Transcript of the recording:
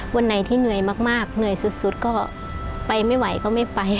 วันไหนที่เหนื่อยมากเหนื่อยสุดก็ไปไม่ไหวก็ไม่ไป